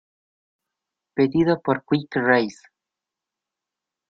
Pedido por Quick Race.